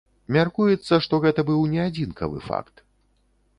Мяркуецца, што гэта быў не адзінкавы факт.